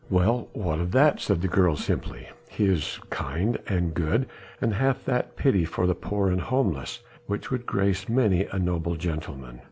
"Well? What of that?" said the girl simply. "He is kind and good, and hath that pity for the poor and homeless which would grace many a noble gentleman."